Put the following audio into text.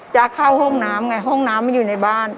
จะเข้าห้องน้ำไงห้องน้ำมันอยู่ในบ้าน